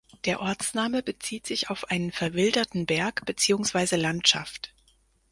Der Ortsname bezieht sich auf einen verwilderten Berg beziehungsweise Landschaft.